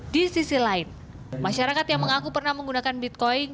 di sisi lain masyarakat yang mengaku pernah menggunakan bitcoin